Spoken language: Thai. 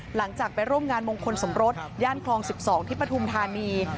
หลังจากไปร่วมงานมงคลสมรสย่านคลอง๑๒ที่ปฐุมธานี